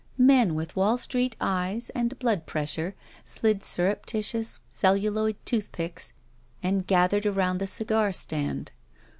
Men with Wall j^treet eyes and blood pressure slid surreptituous celluloid tooth picks and gathered around the cigar stand.